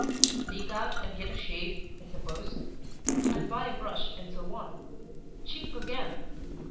"Sneak out and get a shave, I suppose, and buy a brush and so on. Chink again!